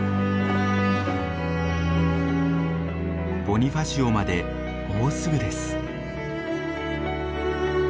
ボニファシオまでもうすぐです。